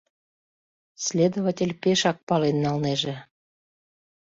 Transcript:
— следователь пешак пален налнеже.